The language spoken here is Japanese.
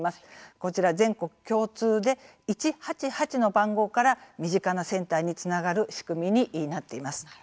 こちら、全国共通で１８８の番号から身近なセンターにつながる仕組みになっています。